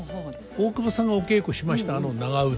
大久保さんがお稽古しましたあの長唄